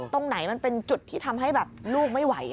ตรงไหนมันเป็นจุดที่ทำให้แบบลูกไม่ไหว